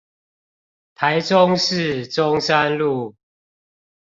台中市中山路